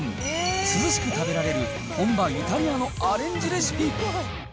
涼しく食べられる本場イタリアのアレンジレシピ。